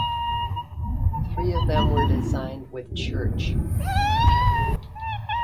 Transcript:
Three of them were designed with Church.